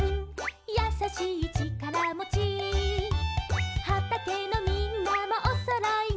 「やさしいちからもち」「はたけのみんなもおそろいね」